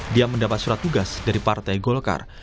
dia mendapat surat tugas dari partai golkar